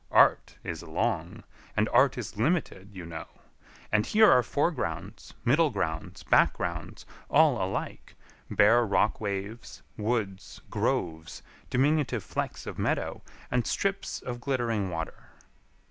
Art is long, and art is limited, you know; and here are foregrounds, middle grounds, backgrounds, all alike; bare rock waves, woods, groves, diminutive flecks of meadow, and strips of glittering water."